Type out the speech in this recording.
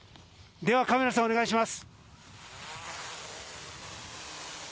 ではカメラさん、お願いします。